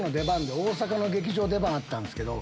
大阪の劇場出番あったんすけど。